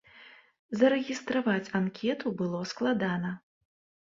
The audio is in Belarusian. Зарэгістраваць анкету было складана.